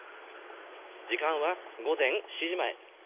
時間は午前７時前。